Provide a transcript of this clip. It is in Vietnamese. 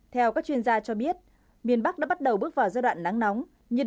theo các chuyên gia cho biết miền bắc đã bắt đầu bước vào giai đoạn nắng nóng